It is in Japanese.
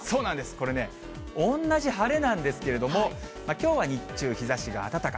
これね、同じ晴れなんですけど、きょうは日中、日ざしが暖か。